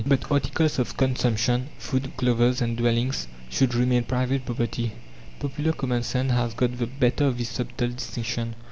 But articles of consumption food, clothes, and dwellings should remain private property." Popular common sense has got the better of this subtle distinction.